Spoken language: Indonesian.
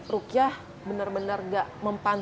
rukia bener bener gak mempan